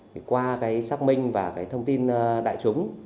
thì qua cái xác minh và cái thông tin đại chúng